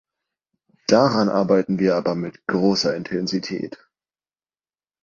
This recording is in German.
Daran arbeiten wir aber mit großer Intensität.